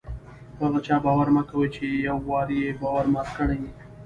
په هغه چا باور مه کوئ! چي یو وار ئې باور مات کړى يي.